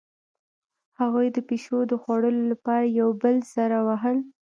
هغوی د پیشو د خوړلو لپاره یو بل سره وهل